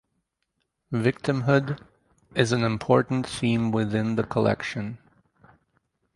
Victimhood is an import theme within the collection.